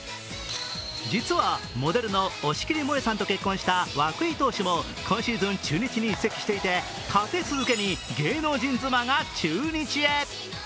実はモデルの押切もえさんと結婚した涌井投手も今シーズン中日に移籍していて立て続けに芸能人妻が中日へ。